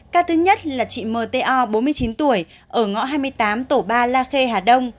ca thứ nhất là chị m t o bốn mươi chín tuổi ở ngõ hai mươi tám tổ ba la khê hà đông